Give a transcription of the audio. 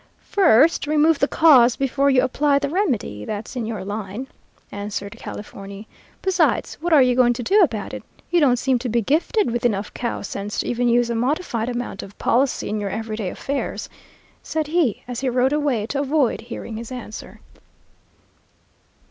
"'First remove the cause before you apply the remedy; that's in your line,' answered Californy. 'Besides, what are you going to do about it? You don't seem to be gifted with enough cow sense to even use a modified amount of policy in your every day affairs,' said he, as he rode away to avoid hearing his answer.